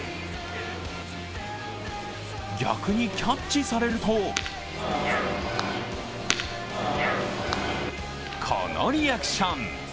逆にキャッチされるとこのリアクション。